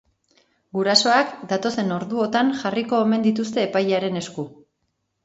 Gurasoak datozen orduotan jarriko omen dituzte epailearen esku.